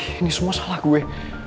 ini semua salah gue